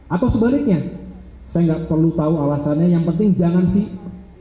atau sebaliknya saya nggak perlu tahu alasannya yang penting jangan sibuk